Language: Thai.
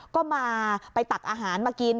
ก็มาไปตักอาหารมากิน